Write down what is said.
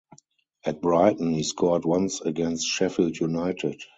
At Brighton he scored once against Sheffield United.